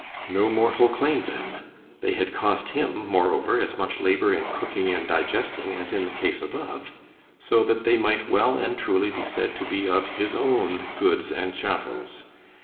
——No mortal claimed them; they had cost him moreover as much labour in cooking and digesting as in the case above, so that they might well and truly be said to be of his own goods and chattels.